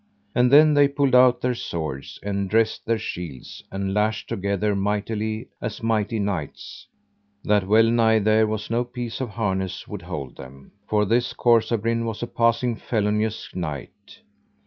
And then they pulled out their swords, and dressed their shields, and lashed together mightily as mighty knights, that well nigh there was no piece of harness would hold them, for this Corsabrin was a passing felonious knight.